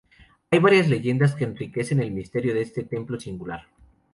Hay varias leyendas que enriquecen el misterio de este templo singular.